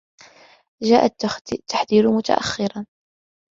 جاء التحذير متأخرا.